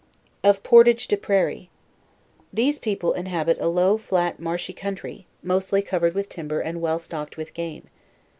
OF PORTAGE I)E PRAIRIE. These people inhabit a low flat, marshy country, mostly covered with timber and well stocked with game.